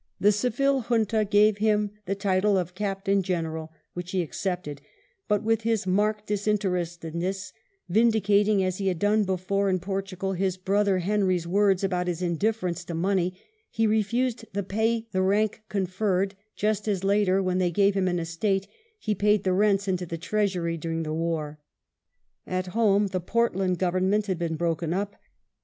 The Seville Junta gave him the title of Captain General, which he accepted, but^ with his marked disinterested ness, vindicating as he had done before in Portugal his brother Henry's words about his indifference to money, he refused the pay of the rank conferred ; just as later, when they gave him an estate, he paid the rents into the Treasury during the war. At home, the Portland Govern ment had been broken up.